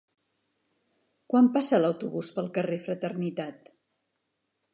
Quan passa l'autobús pel carrer Fraternitat?